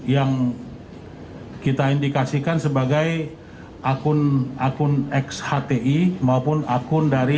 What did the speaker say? yang bersangkutan terhubung